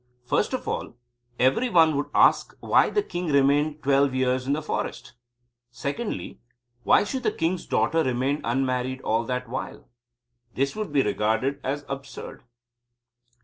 First of all, every one would ask why the king remained twelve years in the forest? Secondly, why should the king's daughter remain unmarried all that while? This would be regarded as absurd.